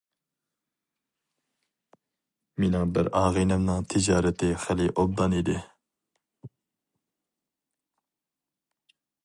مېنىڭ بىر ئاغىنەمنىڭ تىجارىتى خېلى ئوبدان ئىدى.